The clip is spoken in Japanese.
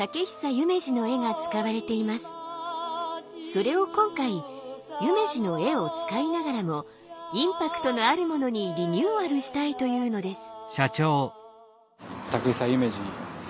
それを今回夢二の絵を使いながらもインパクトのあるものにリニューアルしたいというのです。